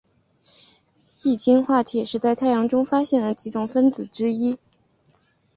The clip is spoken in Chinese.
一氢化铁是在太阳中发现的几种分子之一。